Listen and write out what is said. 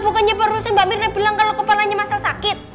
bukannya perlu mbak mirna bilang kalo kepalanya masih sakit